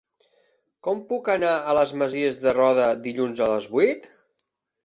Com puc anar a les Masies de Roda dilluns a les vuit?